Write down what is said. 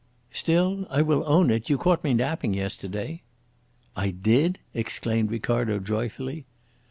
"Still, I will own it, you caught me napping yesterday. "I did?" exclaimed Ricardo joyfully.